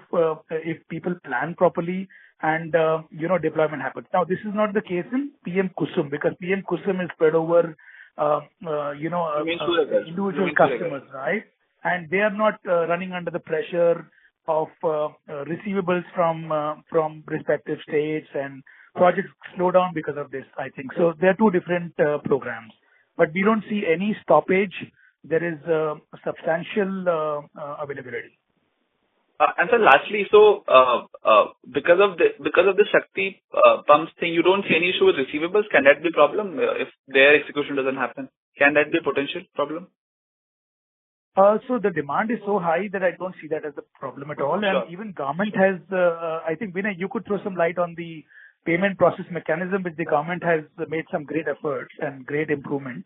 people plan properly and you know, deployment happens. Now this is not the case in PM KUSUM because PM KUSUM is spread over, you know, individual customers. Right. They are not running under the pressure of receivables from respective states and projects slow down because of this. I think. There are two different programs but we don't see any stoppage. There is a substantial availability. Then lastly, because of the Shakti Pumps thing, you don't see any issue with receivables. Can that be problem if their execution doesn't happen? Can that be a potential problem? The demand is so high that I don't see that as a problem at all. Even the government has, I think Vinay, you could throw some light on the payment process mechanism which the government has made some great efforts and great improvement.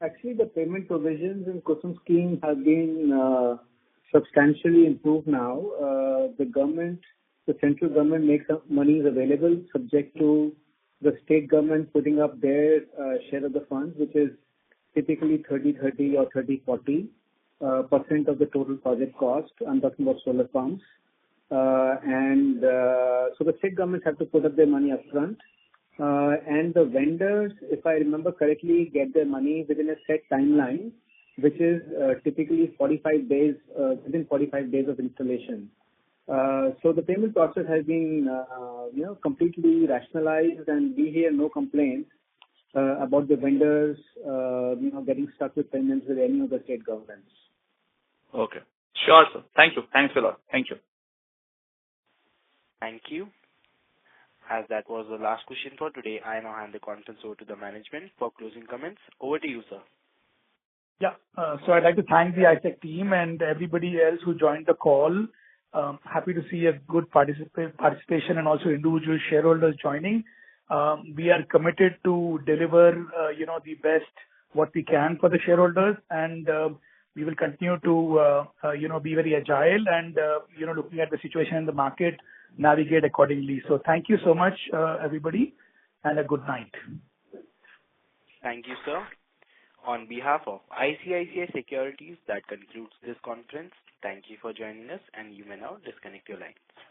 Actually the payment provisions in KUSUM scheme have been substantially improved. Now the government, the central government makes money available subject to the state government putting up their share of the funds, which is typically 30, 30 or 30, 40% of the total project cost. I'm talking about solar farms. And so the state governments have to put up their money up front and the vendors, if I remember correctly, get their money within a set timeline which is typically 45 days, within 45 days of installation. So the payment process has been, you know, completely rationalized and we hear no complaints about the vendors, you know, getting stuck with payments with any of the state governments. Okay, sure. Thank you. Thanks a lot. Thank you. Thank you. As that was the last question for today, I now hand the conference over to the management for closing comments. Over to you, sir. Yeah, so I'd like to thank the ICICI team and everybody else who joined the call, happy to see a good participation and also individual shareholders joining. We are committed to deliver, you know, the best what we can for the shareholders and we will continue to be very agile and looking at the situation in the market navigate accordingly. So thank you so much, everybody and a good night. Thank you, sir. On behalf of ICICI Securities, that concludes this conference. Thank you for joining us, and you may now disconnect your lines.